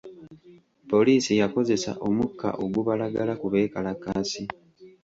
Poliisi yakozesa omukka ogubalagala ku beekalakaasi.